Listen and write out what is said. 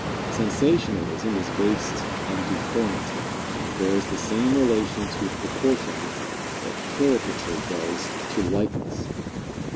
Sensationalism is based on deformity, and bears the same relation to proportion that caricature does to likeness.